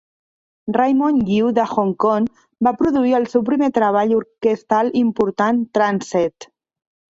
Raymond Yiu, de Hong Kong, va produir el seu primer treball orquestral important, "Tranced".